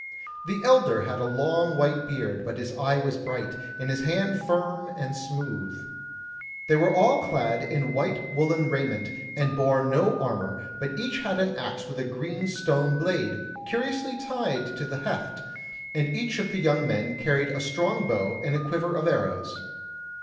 The elder had a long white beard, but his eye was bright, and his hand firm and smooth. They were all clad in white woollen raiment, and bore no armour, but each had an axe with a green stone blade, curiously tied to the heft, and each of the young men carried a strong bow and a quiver of arrows.